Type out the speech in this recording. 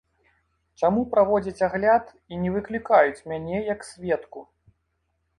Чаму праводзяць агляд, і не выклікаюць мяне як сведку?